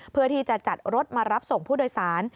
เพื่อที่จะจัดรถมารับส่งผู้โดยสาร